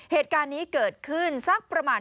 เหตุการณ์นี้เกิดขึ้นสักประมาณ